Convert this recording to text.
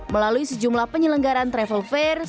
melalui sejumlah penyelenggaran travel fair